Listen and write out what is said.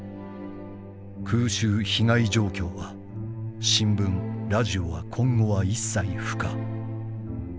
「空襲被害状況は新聞ラジオは今後は一切不可。